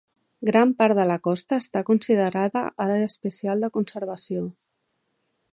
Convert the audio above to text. Gran part de la costa està considerada Àrea Especial de Conservació.